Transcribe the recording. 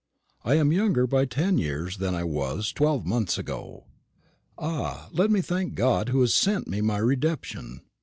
I am younger by ten years than I was twelve months ago. Ah, let me thank God, who has sent me my redemption.